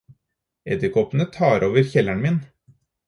Edderkoppene tar over kjelleren min!